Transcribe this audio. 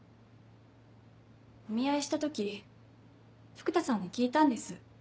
お見合いした時福多さんに聞いたんです。